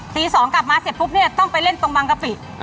ตี๒กลับมาเสร็จปุ๊บเนี่ยต้องไปเล่นตรงบางกะปิ